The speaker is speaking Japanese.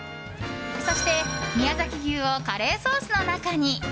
そして宮崎牛をカレーソースの中に。